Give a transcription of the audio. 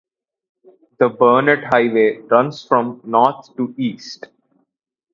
The Burnett Highway runs through from north to east.